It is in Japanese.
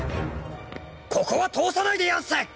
ここは通さないでやんす！